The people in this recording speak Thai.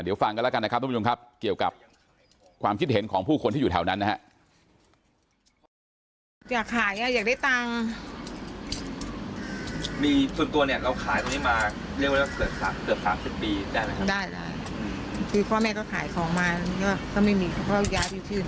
เดี๋ยวฟังกันแล้วกันนะครับทุกผู้ชมครับเกี่ยวกับความคิดเห็นของผู้คนที่อยู่แถวนั้นนะครับ